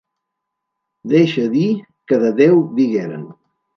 Deixa dir, que de Déu digueren.